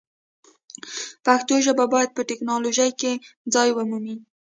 پښتو ژبه باید په ټکنالوژۍ کې ځای ومومي.